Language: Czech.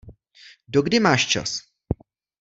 Dokdy máš čas?